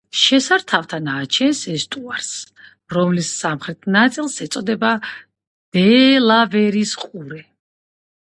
შესართავთან აჩენს ესტუარს, რომლის სამხრეთ ნაწილს ეწოდება დელავერის ყურე.